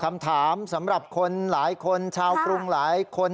คำถามสำหรับคนหลายคนชาวกรุงหลายคน